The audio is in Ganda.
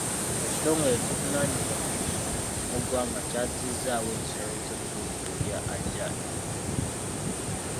Ekitongole ekivunaanyizibwa ku bisolo mu ggwanga kyazizzaawo ensalo z'ekkuumiro lya Ajai.